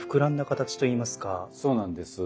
そうなんです。